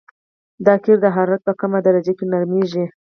دا قیر د حرارت په کمه درجه کې نرمیږي